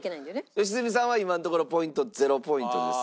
良純さんは今のところポイント０ポイントです。